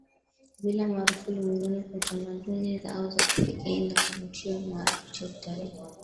kabila maarufu ulimwenguni kwa tamaduni zao za kipekee na kivutio maarufu cha utalii